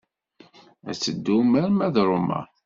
Ad teddum arma d Roma.